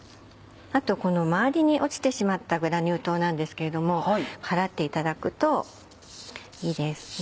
あとこのまわりに落ちてしまったグラニュー糖なんですけども払っていただくといいですね。